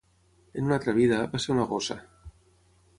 En una altre vida, va ser una gossa.